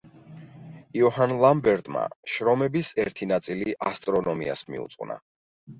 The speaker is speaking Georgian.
იოჰან ლამბერტმა შრომების ერთი ნაწილი ასტრონომიას მიუძღვნა.